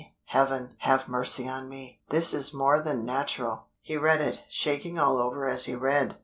Heaven, have mercy on me! This is more than natural." He read it, shaking all over as he read.